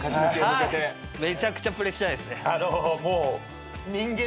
めちゃくちゃプレッシャーですね。